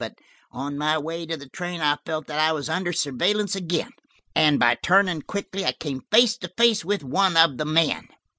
But on my way to the train I felt that I was under surveillance again, and by turning quickly I came face to face with one of the men."